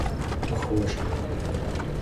похож